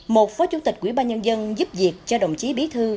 một phó chủ tịch quỹ ba nhân dân giúp việc cho đồng chí bí thư